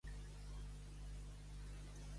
Amb què es mescla?